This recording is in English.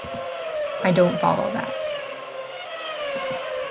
I don't follow that.